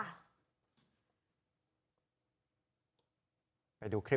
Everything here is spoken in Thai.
ชนชนท้ายไม่มีแกง